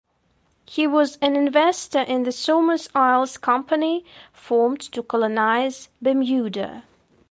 He was an investor in the Somers Isles Company formed to colonise Bermuda.